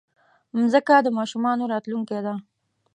مځکه د ماشومانو راتلونکی ده.